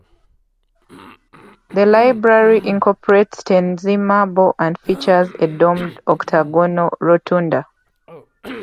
The library incorporates Tennessee marble and features a domed, octagonal rotunda.